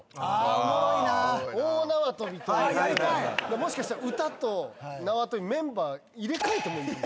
もしかしたら歌と縄跳びメンバー入れ替えてもいい。